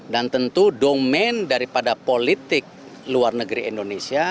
dan tentu domain daripada politik luar negeri indonesia